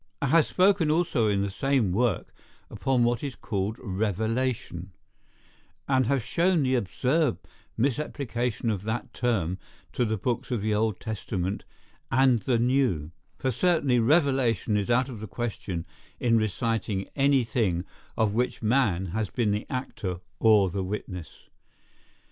I have spoken also in the same work upon what is celled revelation, and have shown the absurd misapplication of that term to the books of the Old Testament and the New; for certainly revelation is out of the question in reciting any thing of which man has been the actor or the witness.